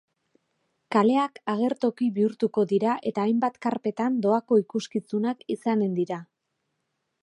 Kaleak agertoki bihurtuko dira eta hainbat karpetan doako ikuskizunak izanen dira.